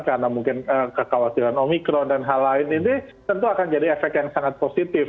karena mungkin kekhawatiran omicron dan hal lain ini tentu akan jadi efek yang sangat positif